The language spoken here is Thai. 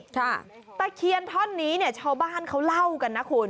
ตะเคียนท่อนนี้เนี่ยชาวบ้านเขาเล่ากันนะคุณ